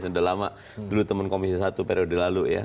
sudah lama dulu teman komisi satu periode lalu ya